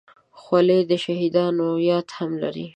خولۍ د شهیدانو یاد هم لري.